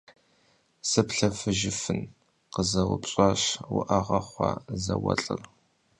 - Сыплъэфыжыфын? – къызэупщӀащ уӏэгъэ хъуа зауэлӏыр.